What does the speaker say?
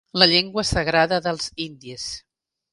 La llengua sagrada dels indis.